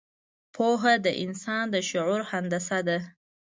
پوهه د انسان د شعور هندسه ده.